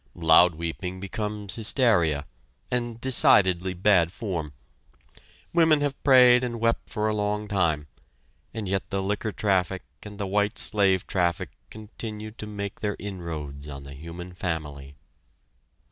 Loud weeping becomes hysteria, and decidedly bad form. Women have prayed and wept for a long time, and yet the liquor traffic and the white slave traffic continue to make their inroads on the human family.